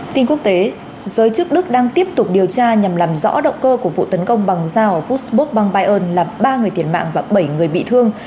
tin quốc tế giới chức đức đang tiếp tục điều tra nhằm làm rõ động cơ của vụ tấn công bằng rào ở vuxburg bằng bayern làm ba người thiệt mạng và bảy người bị thương